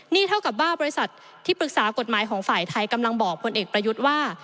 นี่เท่ากับว่าบริษัทที่ปรึกษากฎหมายของฝ่ายไทยกำลังบอกพลเอกประยุทธ์ว่า